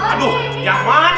aduh yang mana nih